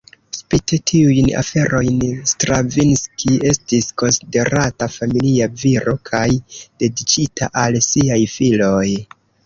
Spite tiujn aferojn, Stravinski estis konsiderata familia viro kaj dediĉita al siaj filoj.